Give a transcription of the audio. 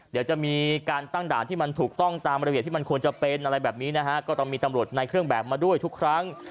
เดี๋ยวจะมีการตั้งด่านที่มันถูกต้องตามระเบียบที่มันควรจะเป็นอะไรแบบนี้นะฮะก็ต้องมีตำรวจในเครื่องแบบมาด้วยทุกครั้ง